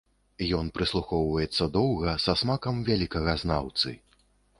Ён прыслухоўваецца доўга са смакам вялікага знаўцы.